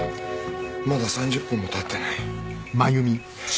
まだ３０分も経ってない。